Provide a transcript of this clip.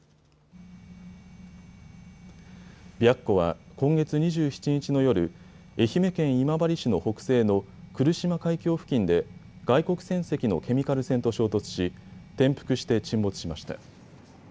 白虎は今月２７日の夜、愛媛県今治市の北西の来島海峡付近で外国船籍のケミカル船と衝突し転覆して沈没しました。